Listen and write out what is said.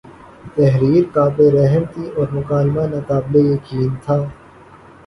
تحریر قابل رحم تھی اور مکالمہ ناقابل یقین تھا